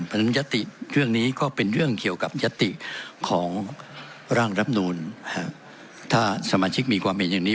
เพราะฉะนั้นยติเรื่องนี้ก็เป็นเรื่องเกี่ยวกับยติของร่างรับนูลถ้าสมาชิกมีความเห็นอย่างนี้